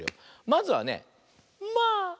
まずはね「まあ！」。